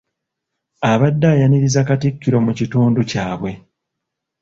Abadde ayaniriza Katikkiro mu kitundu kyabwe.